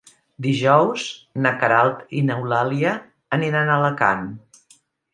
Dijous na Queralt i n'Eulàlia aniran a Alacant.